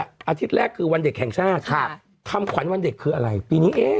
อาทิตย์แรกคือวันเด็กแห่งชาติคำขวัญวันเด็กคืออะไรปีนี้เอ๊ะ